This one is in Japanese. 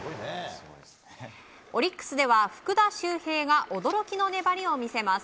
オリックスでは福田周平が驚きの粘りを見せます。